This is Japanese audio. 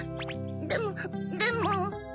でもでも。